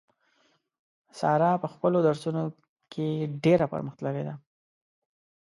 ساره په خپلو درسو نو کې ډېره پر مخ تللې ده.